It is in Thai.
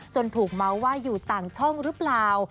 ถูกเมาส์ว่าอยู่ต่างช่องหรือเปล่า